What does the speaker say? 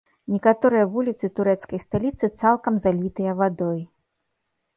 Некаторыя вуліцы турэцкай сталіцы цалкам залітыя вадой.